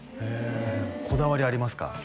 へえこだわりありますか？